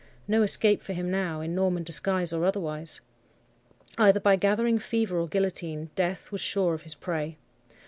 No escape for him now, in Norman disguise or otherwise! Either by gathering fever or guillotine, death was sure of his prey.